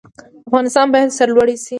افغانستان باید سرلوړی شي